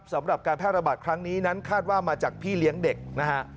สำหรับการแพร่ระบาดครั้งนี้นั้นคาดว่ามาจากพี่เลี้ยงเด็กนะฮะ